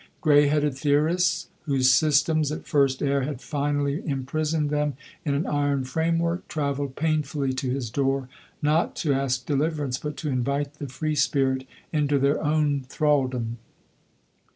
Gray headed theorists, whose systems, at first air, had finally imprisoned them in an iron framework, traveled painfully to his door, not to ask deliverance, but to invite the free spirit into their own thralldom.